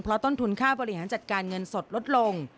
ส่วนทุนค่าบริหารจัดการเงินสดลดลง